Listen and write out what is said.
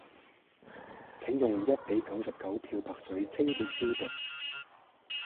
請用一比九十九漂白水清潔消毒